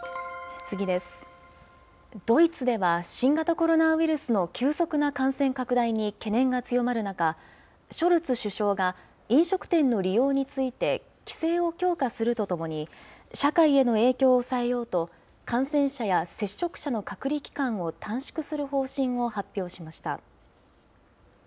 ドイツでは新型コロナウイルスの急速な感染拡大に懸念が強まる中、ショルツ首相が飲食店の利用について規制を強化するとともに、社会への影響を抑えようと、感染者や接触者の隔離期間を短縮する方針を発表しました。